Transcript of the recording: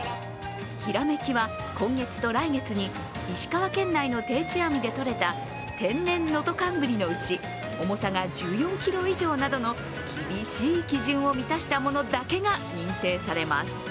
煌は、今月と来月に石川県内の定置網で取れた天然能登寒ブリのうち重さが１４ｋｇ以上などの厳しい基準を満たしたものだけが認定されます。